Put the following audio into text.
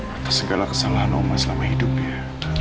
atas segala kesalahan noma selama hidupnya